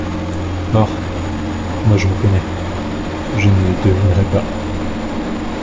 Oh ! moi, je me connais ! je ne devinerai pas !